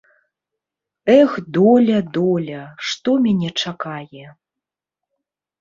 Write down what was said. Эх, доля, доля, што мяне чакае?